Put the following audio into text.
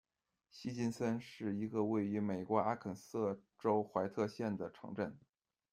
希金森是一个位于美国阿肯色州怀特县的城镇。